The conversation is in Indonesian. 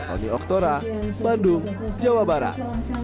oni oktora bandung jawa barat